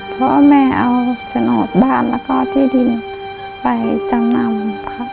เพราะแม่เอาสนวนบ้านและก็ที่ดินไปจำนำ